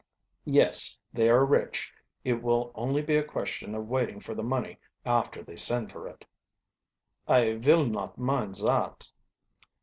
"Yes; they are rich. It will only be a question of waiting for the money after they send for it." "I vill not mind zat."